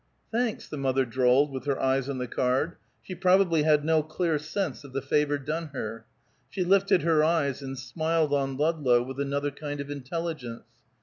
"Thanks," the mother drawled with her eyes on the card. She probably had no clear sense of the favor done her. She lifted her eyes and smiled on Ludlow with another kind of intelligence.